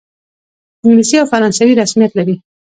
انګلیسي او فرانسوي رسمیت لري.